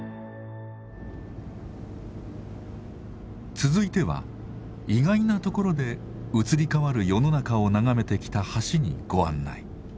続いては意外な所で移り変わる世の中を眺めてきた橋にご案内。